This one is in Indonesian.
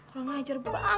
orang ajar banget ya orang